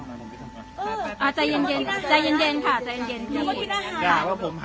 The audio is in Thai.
แล้วโวยวายกับผมพี่โทษนะ